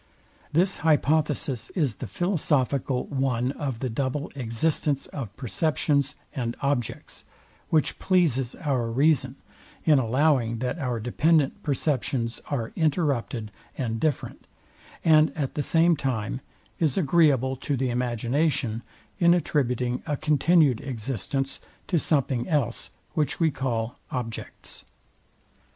This hypothesis is the philosophical, one of the double existence of perceptions and objects; which pleases our reason, in allowing, that our dependent perceptions are interrupted and different; and at the same time is agreeable to the imagination, in attributing a continued existence to something else, which we call objects.